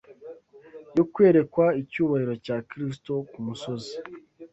yo kwerekwa icyubahiro cya Kristo ku musozi